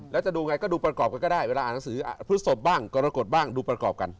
แล้วจะดูไงก็ดูประกอบกันก็ได้เวลาอ่านหนังสือพฤศพบ้างกรกฎบ้างดูประกอบกัน